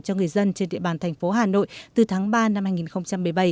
cho người dân trên địa bàn thành phố hà nội từ tháng ba năm hai nghìn một mươi bảy